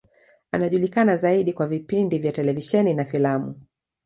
Anajulikana zaidi kwa vipindi vya televisheni na filamu.